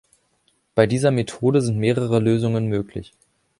Bei dieser Methode sind mehrere Lösungen möglich.